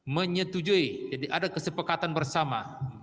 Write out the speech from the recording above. menyetujui jadi ada kesepakatan bersama